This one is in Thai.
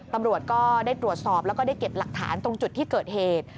ตำรวจก็ได้ตรวจสอบแล้วก็ได้เก็บหลักฐานตรงจุดที่เกิดเหตุ